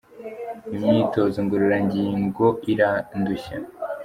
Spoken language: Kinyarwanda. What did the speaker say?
imyitozo ngororangingo irandushya.